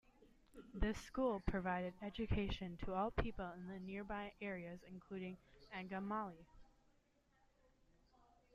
This school provided education to all people in the nearby areas including Angamali.